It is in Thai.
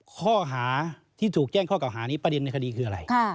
ข้อหาที่ถูกแจ้งข้อเก่าหานี้ประเด็นในคดีคืออะไร